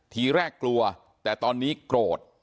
ทีแรกกลัวแต่ตอนนี้โกรธ